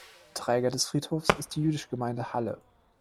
Träger des Friedhofs ist die Jüdische Gemeinde Halle.